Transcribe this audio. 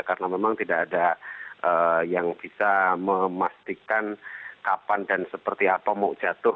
karena memang tidak ada yang bisa memastikan kapan dan seperti apa mau jatuh